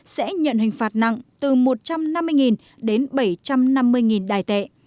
sẽ nhận hình phạt nặng từ một trăm năm mươi đến bảy trăm năm mươi đài tệ